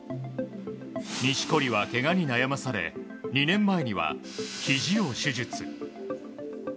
錦織は、けがに悩まされ２年前には、ひじを手術。